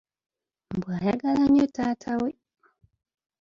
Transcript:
Mbu ayagala nnyo taata we!